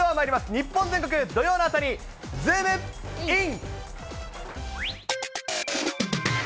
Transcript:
日本全国土曜の朝にズームイン！！